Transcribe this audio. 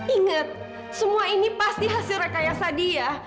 ingat semua ini pasti hasil rekayasa dia